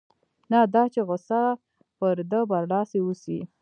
نه دا چې غوسه پر ده برلاسې اوسي.